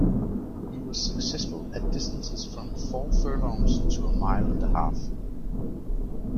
He was successful at distances from four furlongs to a mile and a half.